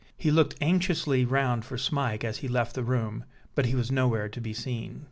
He looked anxiously round for Smike, as he left the room, but he was nowhere to be seen.